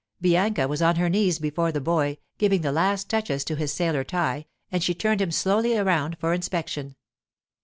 Bianca was on her knees before the boy, giving the last touches to his sailor tie, and she turned him slowly around for inspection.